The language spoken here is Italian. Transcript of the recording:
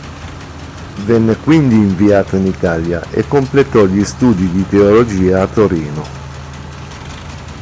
Venne quindi inviato in Italia e completò gli studi di teologia a Torino.